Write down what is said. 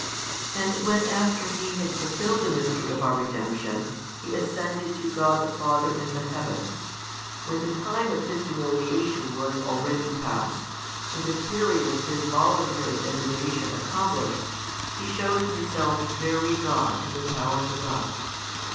And when after He had fulfilled the mystery of our redemption, He ascended to God the Father in the heavens, when the time of His humiliation was already past, and the period of His voluntary degradation accomplished, He showed Himself very God to the powers above.